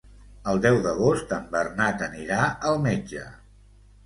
El deu d'agost en Bernat anirà al metge.